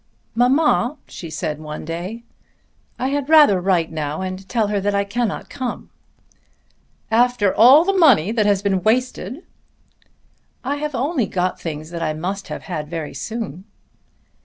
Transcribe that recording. "Mamma," she said one day, "I had rather write now and tell her that I cannot come." "After all the money has been wasted!" "I have only got things that I must have had very soon."